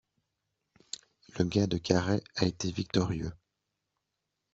Le gars de Carhaix a été victorieux.